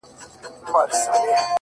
د سکريټو آخيري قطۍ ده پاته،